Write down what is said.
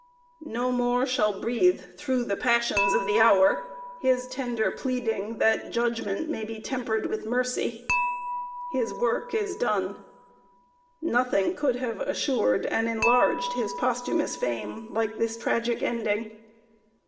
No more shall breathe through the passions of the hour his tender pleading that judgment may be tempered with mercy. His work is done. Nothing could have assured and enlarged his posthumous fame like this tragic ending.